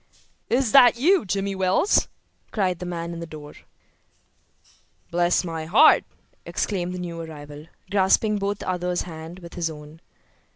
"Is that you, Jimmy Wells?" cried the man in the door. "Bless my heart!" exclaimed the new arrival, grasping both the other's hands with his own.